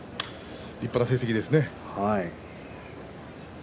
立派な成績ですね。